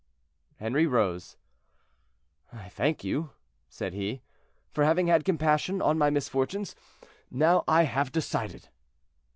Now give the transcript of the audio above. Henri rose. "I thank you," said he, "for having had compassion on my misfortunes; now I have decided."